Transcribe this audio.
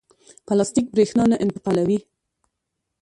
پلاستیک برېښنا نه انتقالوي.